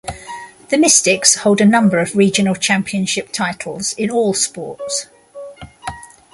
The Mystics hold a number of regional championship titles in all sports.